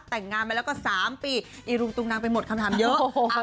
แต่งงานมาแล้วก็๓ปีอีรุงตุงนังไปหมดคำถามเยอะ